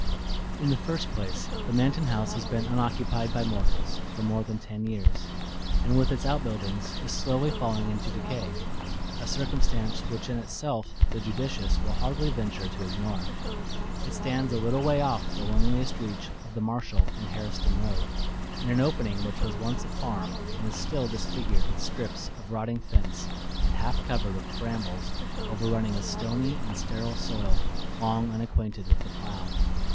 In the first place the Manton house has been unoccupied by mortals for more than ten years, and with its outbuildings is slowly falling into decay a circumstance which in itself the judicious will hardly venture to ignore. It stands a little way off the loneliest reach of the Marshall and Harriston road, in an opening which was once a farm and is still disfigured with strips of rotting fence and half covered with brambles overrunning a stony and sterile soil long unacquainted with the plow.